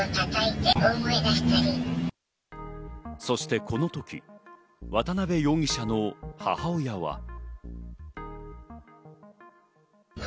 そしてこの時、渡辺容疑者の母親は。